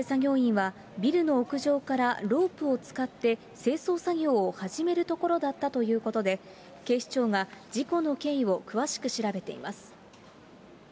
男性作業員は、ビルの屋上からロープを使って清掃作業を始めるところだったということで、警視庁が事故の経緯を詳しく調べています。